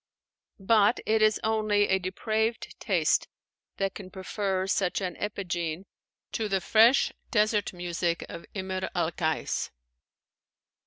But it is only a depraved taste that can prefer such an epigene to the fresh desert music of Imr al Kais.